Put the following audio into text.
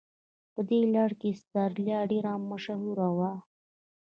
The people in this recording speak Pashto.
په دې لړ کې استرالیا ډېره مشهوره وه.